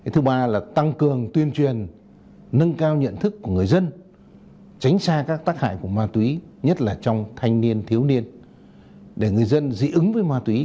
thứ ba là tăng cường tuyên truyền nâng cao nhận thức của người dân tránh xa các tác hại của ma túy nhất là trong thanh niên thiếu niên để người dân dị ứng với ma túy